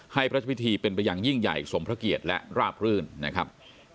ให้พระพิธีเป็นไปอย่างยิ่งใหญ่สมพระเกียรติและราบรื่นนะครับ